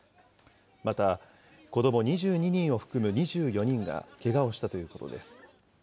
また、子ども２２人を含む２４人がけがをしたということです。